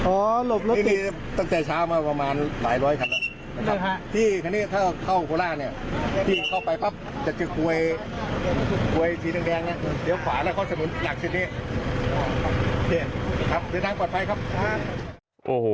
โอ้โห